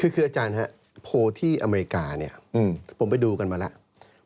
คืออาจารย์ครับโพลที่อเมริกาเนี่ยผมไปดูกันมาแล้ว